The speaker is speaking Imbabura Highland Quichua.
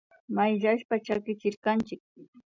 Mayllashpa chakichirkanchik